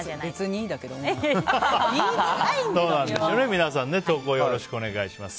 皆さん、投稿よろしくお願いします。